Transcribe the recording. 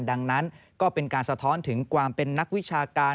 ดังนั้นก็เป็นการสะท้อนถึงความเป็นนักวิชาการ